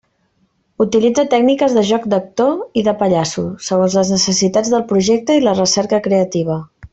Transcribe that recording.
Utilitza tècniques de joc d'actor i de pallasso, segons les necessitats del projecte i la recerca creativa.